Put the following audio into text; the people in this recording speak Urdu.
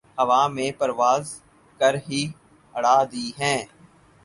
ہوا میں پرواز کر ہی اڑا دی ہیں